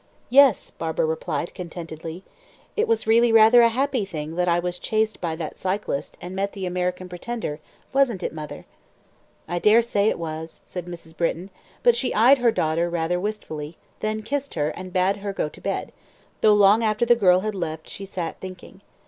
"Yes," Barbara replied contentedly; "it was really rather a happy thing that I was chased by that cyclist and met the 'American pretender,' wasn't it, mother?" "I dare say it was," said Mrs. Britton; but she eyed her daughter rather wistfully, then kissed her and bade her go to bed, though long after the girl had left her she sit thinking.